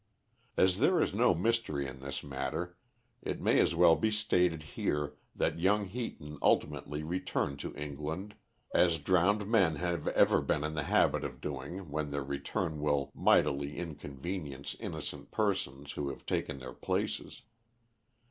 As there is no mystery in this matter, it may as well be stated here that young Heaton ultimately returned to England, as drowned men have ever been in the habit of doing, when their return will mightily inconvenience innocent persons who have taken their places.